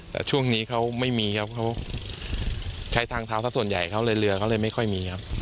แต่ช่วงนี้เขาไม่มีครับเขาใช้ทางเท้าสักส่วนใหญ่เขาเลยเรือเขาเลยไม่ค่อยมีครับ